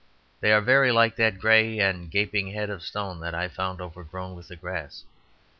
They are very like that grey and gaping head of stone that I found overgrown with the grass.